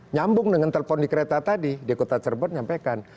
nyambung dengan telpon di kereta tadi di kota cerbon nyampaikan